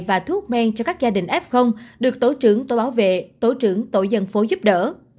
và thuốc men cho các gia đình f được tổ trưởng tổ bảo vệ tổ trưởng tổ dân phố giúp đỡ